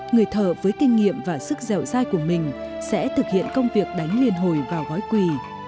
người thợ với kinh nghiệm và sức dẻo dai của mình sẽ thực hiện công việc đánh liên hồi vào gói quỳ